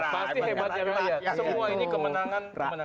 pasti hebatnya rakyat semua ini kemenangan rakyat